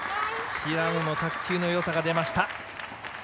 平野の卓球の良さが出ました。